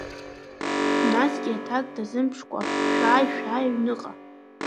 Насгьы аҭак дазымԥшкәа шәааи, шәааи, аҩныҵҟа…